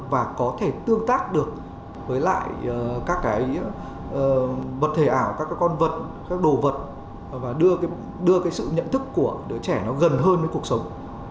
và có thể tương tác được với lại các cái vật thể ảo các con vật các đồ vật và đưa cái sự nhận thức của đứa trẻ nó gần hơn với cuộc sống